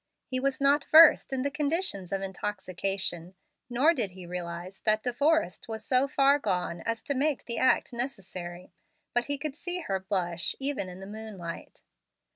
He was not versed in the conditions of intoxication, nor did he realize that De Forrest was so far gone as to make the act necessary. But he could see her blush, even in the moonlight.